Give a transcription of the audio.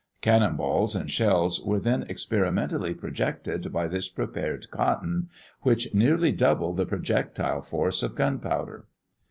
Cannon balls and shells were then experimentally projected by this prepared cotton, with nearly double the projectile force of gunpowder.